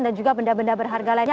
juga benda benda berharga lainnya